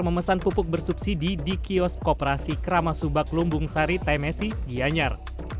memesan pupuk bersubsidi di kios kooperasi kramasubak lumbung sari tmesi gianyar